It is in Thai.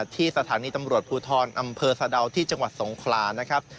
ที่สถานีตำรวจภูทรอำเภอสะดาวที่จังหวัดสงขลานะครับ